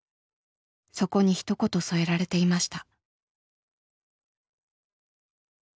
そこにひと言添えられていました。